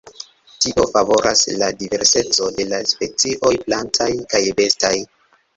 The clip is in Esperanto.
Tio favoras la diverseco de la specioj plantaj kaj bestaj.